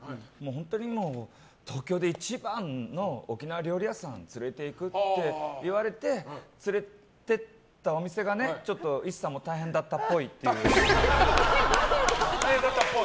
本当に、東京で一番の沖縄料理屋さんに連れていくって言われて連れて行ったお店がＩＳＳＡも大変だったっぽいっていう。